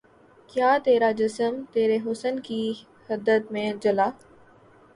کیا ترا جسم ترے حسن کی حدت میں جلا